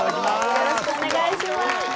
よろしくお願いします。